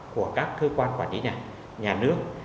của các cơ quan quản lý nhà nước